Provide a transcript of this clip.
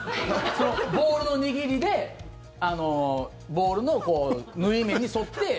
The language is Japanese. ボールの握りでボールの縫い目に沿って。